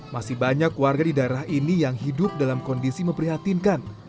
masih banyak warga di daerah ini yang hidup dalam kondisi memprihatinkan